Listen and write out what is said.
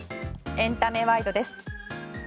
エンタメワイドです。